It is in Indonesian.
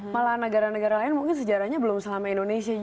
malah negara negara lain mungkin sejarahnya belum selama indonesia